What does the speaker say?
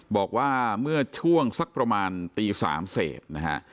บอกว่าเมื่อช่วงสักประมาณตี๓เศษนะฮะ